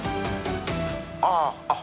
あああっ